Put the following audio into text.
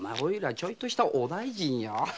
ちょいとしたお大尽よ